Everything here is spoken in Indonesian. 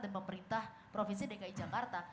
dan pemerintah provinsi dki jakarta